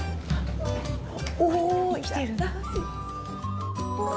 お生きてるんだ。